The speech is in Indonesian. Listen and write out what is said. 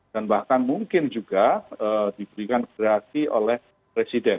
dan bahkan mungkin juga diberikan kreatif oleh presiden